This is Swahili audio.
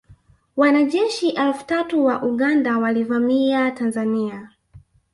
Wanajeshi elfu tatu wa Uganda walivamia Tanzania